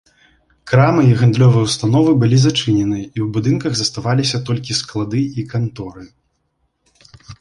Крамы і гандлёвыя ўстановы былі зачынены і ў будынках засталіся толькі склады і канторы.